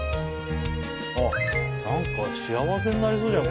なんか幸せになりそうじゃん